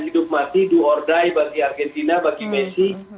hidup mati do or die bagi argentina bagi messi